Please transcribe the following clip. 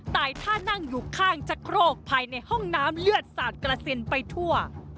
ท่านั่งอยู่ข้างจักรโครกภายในห้องน้ำเลือดสาดกระเซ็นไปทั่ว